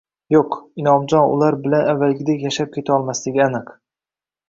Yo`q, Inomjon ular bilan avvalgidek yashab ketolmasligi aniq